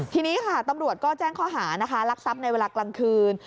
ทีนี้ค่ะตำรวจก็แจ้งข้อหานะคะลักทรัพย์ในเวลากลางคืน